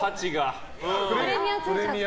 プレミア？